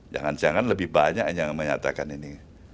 jangan jangan lebih banyak yang menyatakan ini